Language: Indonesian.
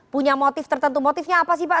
punya motif tertentu motifnya apa sih pak